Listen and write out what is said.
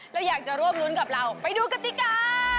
แล้วอยากจะร่วมรุ้นกับเราไปดูกติกา